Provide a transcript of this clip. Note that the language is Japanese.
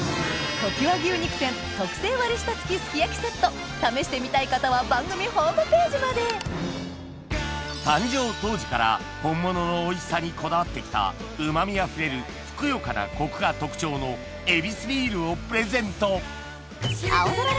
特製割下付き試してみたい方は番組ホームページまで誕生当時から本物のおいしさにこだわって来たうま味あふれるふくよかなコクが特徴の「ヱビスビール」をプレゼント